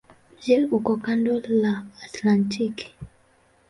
Mji uko kando la Atlantiki.